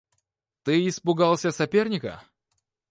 Ты испугался соперника.